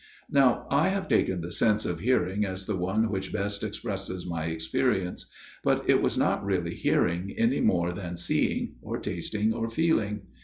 " Now I have taken the sense of hearing as the one which best expresses my experience ; but it was not really hearing any more than seeing or tasting or feeling.